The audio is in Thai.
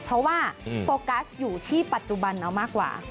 เพราะว่าโฟกัสอยู่ที่ปัจจุบันเอามากกว่า